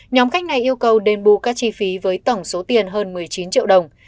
nhóm khách này yêu cầu đền bù các chi phí với tổng số tiền hơn một mươi chín triệu đồng